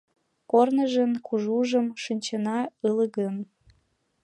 Корныжын кужужым шинчена ыле гын